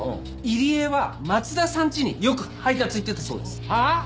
入江は松田さんちによく配達行ってたそうです。はあ！？